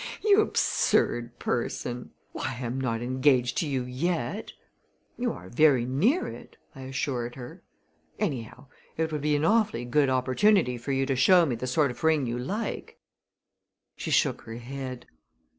"You absurd person! Why, I am not engaged to you yet!" "You are very near it," I assured her. "Anyhow, it would be an awfully good opportunity for you to show me the sort of ring you like." She shook her head.